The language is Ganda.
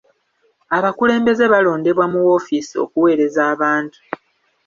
Abakulembeze balondebwa mu woofiisi okuweereza bantu.